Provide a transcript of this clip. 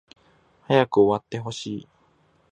早く終わってほしい